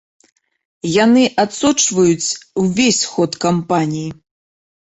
Яны адсочваюць увесь ход кампаніі.